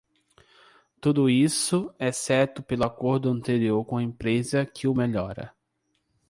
Tudo isso, exceto pelo acordo anterior com a empresa que o melhora.